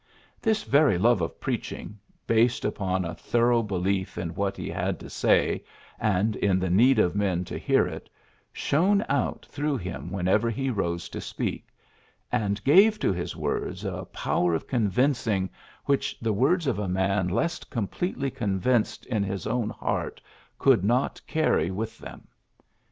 '' This very love of preaching, based upon a thorough belief in what he had to say and in the need of men to hear it, shone out through him whenever he rose to speak, and gave to his words a power of con vincing which the words of a man less completely convinced in his own heart could not carry with them.